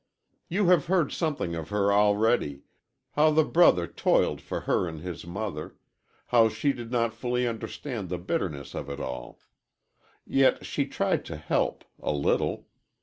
You have heard something of her already how the brother toiled for her and his mother how she did not fully understand the bitterness of it all. Yet she tried to help a little.